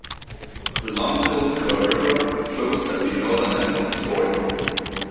The long Conecuh River flows at the northern end of Troy.